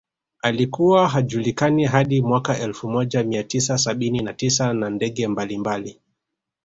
Alikuwa hajulikani hadi mwaka elfu moja mia tisa sabini na tisa na ndege mbalimbali